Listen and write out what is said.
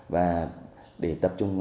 và để tập trung